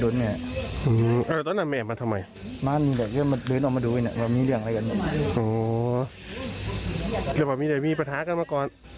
แล้วไม่ได้มีปัญหากันมาก่อน